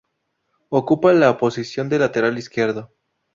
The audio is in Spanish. Ocupa la posición de lateral izquierdo.